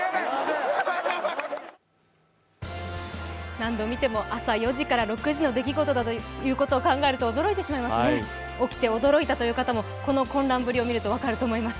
何度見ても、朝４時から６時の出来事だと考えると起きて驚いたという方もこの混乱ぶりを見ると分かると思います。